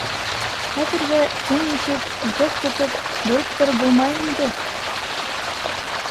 Хәҙергә киң итеп, итәк тотоп, бөрөп тороп булмай инде...